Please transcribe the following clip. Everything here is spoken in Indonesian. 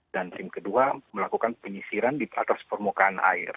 dan tim kedua melakukan penyisiran di atas permukaan air